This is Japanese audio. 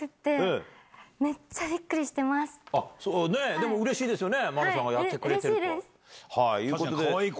でもうれしいですよね？